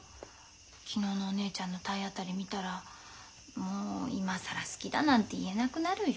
昨日のお姉ちゃんの体当たり見たらもう今更好きだなんて言えなくなるよ。